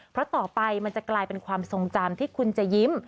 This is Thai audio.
เพราะต่อไปมันจะกลายเป็นความทรงจำที่คุณจะยิ้ม